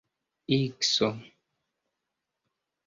ikso